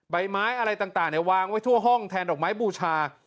ใบไม้อะไรต่างวางไว้ทั่วห้องแทนดอกไม้บูชา